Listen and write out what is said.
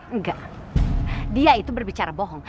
enggak dia itu berbicara bohong